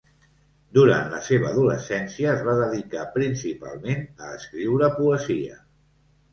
Durant la seva adolescència es va dedicar principalment a escriure poesia.